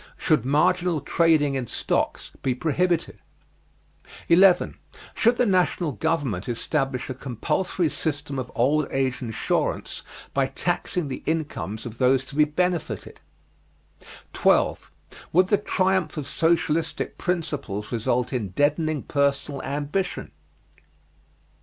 Should marginal trading in stocks be prohibited? 11. Should the national government establish a compulsory system of old age insurance by taxing the incomes of those to be benefited? 12. Would the triumph of socialistic principles result in deadening personal ambition?